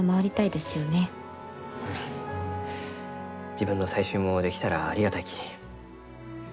自分の採集もできたらありがたいき。